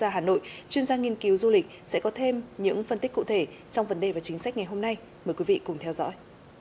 gia hà nội chuyên gia nghiên cứu du lịch sẽ có thêm những phân tích cụ thể trong vấn đề và chính sách ngày hôm nay mời quý vị cùng theo dõi